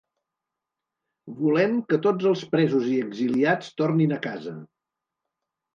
Volem que tots els presos i exiliats tornin a casa!